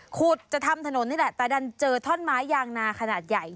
ขุดจะทำถนนนี่แหละแต่ดันเจอท่อนไม้ยางนาขนาดใหญ่